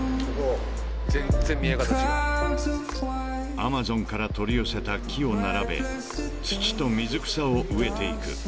［アマゾンから取り寄せた木を並べ土と水草を植えていく］